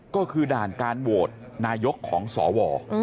ก็คือด่านการโหวตนายกของสว